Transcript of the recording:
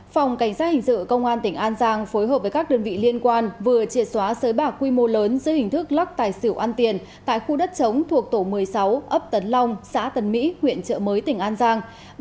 phòng cảnh sát hình sự công an tỉnh an giang phối hợp với các đơn vị liên quan vừa triệt xóa bạc quy mô lớn dưới hình thức lắc tài xỉu ăn tiền tại khu đất chống thuộc tổ một mươi sáu ấp tấn long xã tân mỹ huyện trợ mới tỉnh an giang